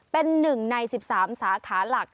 เป็น๑ใน๑๓สาขาหลัก